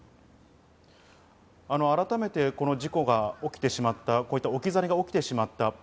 改めてこの事故が起きてしまった、置き去りが起きてしまった。